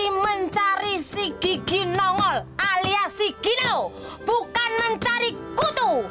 si mencari si gigi nongol aliasi gino bukan mencari kutu